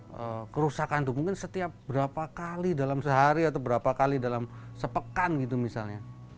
karena kerusakan itu mungkin setiap berapa kali dalam sehari atau berapa kali dalam sepekan gitu misalnya